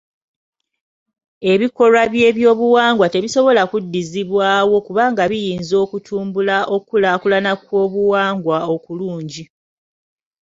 Ebikolwa by'ebyobuwangwa tebisobola kuddizibwawo kubanga biyinza okutumbula okulaakulana kw'obuwangwa okulungi.